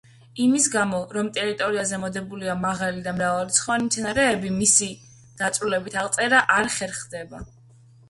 იმის გამო, რომ ტერიტორიაზე მოდებულია მაღალი და მრავალრიცხოვანი მცენარეები, მისი დაწვრილებითი აღწერა არ ხერხდება.